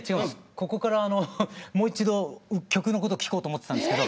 ここからもう一度曲のこと聞こうと思ってたんですけど。